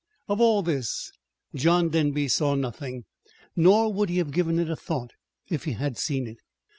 Of all this John Denby saw nothing; nor would he have given it a thought if he had seen it.